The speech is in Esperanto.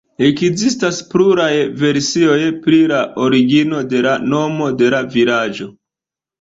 Ekzistas pluraj versioj pri la origino de la nomo de la vilaĝo.